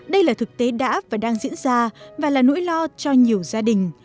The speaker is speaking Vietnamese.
đây là thực tế đã và đang diễn ra và là nỗi lo cho nhiều gia đình